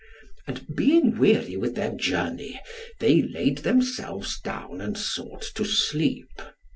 And being weary with their journey, they laid themselves down and sought to sleep.